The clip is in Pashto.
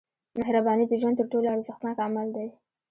• مهرباني د ژوند تر ټولو ارزښتناک عمل دی.